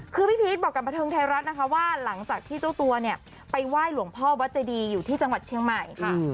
คือพี่พีชบอกกับบันเทิงไทยรัฐนะคะว่าหลังจากที่เจ้าตัวเนี่ยไปไหว้หลวงพ่อวัดเจดีอยู่ที่จังหวัดเชียงใหม่ค่ะ